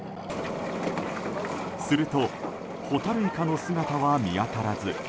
するとホタルイカの姿は見当たらず。